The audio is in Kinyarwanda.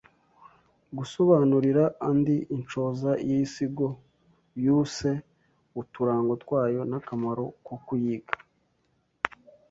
Gusobanurira andi inshoza y’iisigo y’uuse uturango twayo n’akamaro ko kuyiga